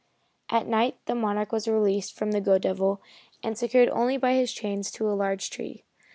At night the Monarch was released from the "go devil" and secured only by his chains to a large tree.